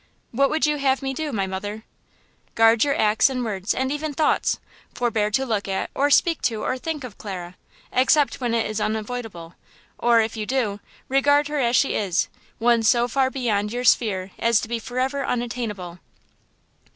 "What would you have me do, my mother?" "Guard your acts and words, and even thoughts; forbear to look at, or speak to, or think of Clara, except when it is unavoidable–or it you do, regard her as she is–one so far beyond your sphere as to be forever unattainable!"